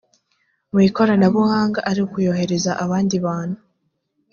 mu ikoranabuhanga ari ukuyoherereza abandi bantu